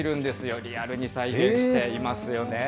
リアルに再現していますよね。